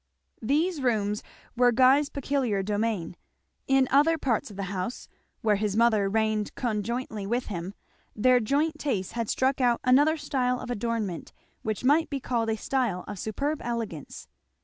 These rooms were Guy's peculiar domain. In other parts of the house, where his mother reigned conjointly with him, their joint tastes had struck out another style of adornment which might be called a style of superb elegance.